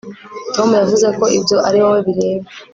tom yavuze ko ibyo ari wowe bireba